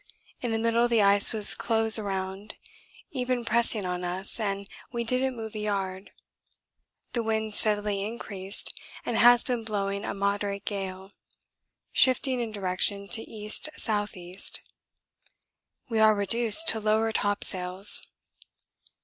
In the middle the ice was close around, even pressing on us, and we didn't move a yard. The wind steadily increased and has been blowing a moderate gale, shifting in direction to E.S.E. We are reduced to lower topsails.